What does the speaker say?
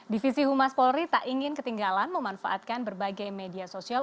divisi humas polri tak ingin ketinggalan memanfaatkan berbagai media sosial